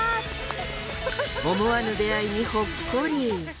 思わぬ出会いにほっこり。